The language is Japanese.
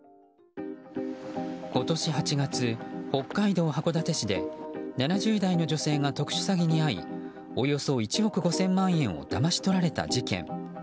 今年８月、北海道函館市で７０代の女性が特殊詐欺に遭いおよそ１億５０００万円をだまし取られた事件。